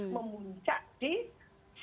memuncak di kualitas